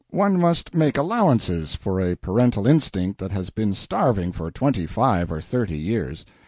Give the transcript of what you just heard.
One must make allowances for a parental instinct that has been starving for twenty five or thirty years.